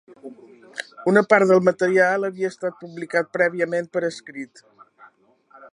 Una part del material havia estat publicat prèviament per escrit.